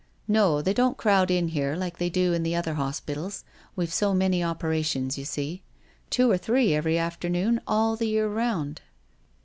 " No, they don't crowd in here like they do in the other hospitals. We've so many opera tions, you see. Two or three every afternoon all the year round."